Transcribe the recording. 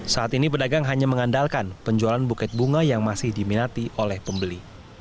saat ini pedagang hanya mengandalkan penjualan buket bunga yang masih diminati oleh pembeli